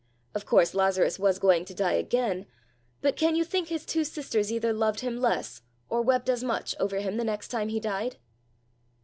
Of course Lazarus was going to die again, but can you think his two sisters either loved him less, or wept as much over him the next time he died?"